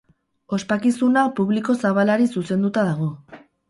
Ospakizuna publiko zabalari zuzenduta dago.